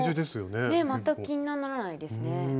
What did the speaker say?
汚れも全く気にならないですね。